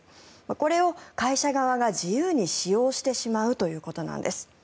これを会社側が自由に使用してしまうということなんです。